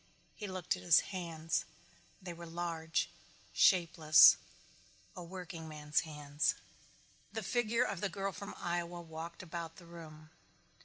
He looked at his hands. They were large, shapeless, a workingman's hands. The figure of the girl from Iowa walked about the room.